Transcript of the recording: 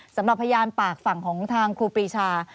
สำหรับพยานปากฝั่งของทางครูปรีชา